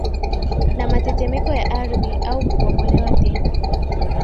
na matetemeko ya ardhi au kubomolewa tena